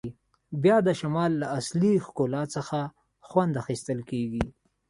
بیا د شمال له اصلي ښکلا څخه خوند اخیستل کیږي